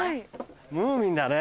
ムーミンだね。